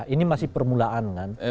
ini masih permulaan